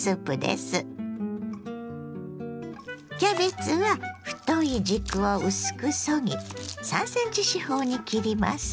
キャベツは太い軸を薄くそぎ３ｃｍ四方に切ります。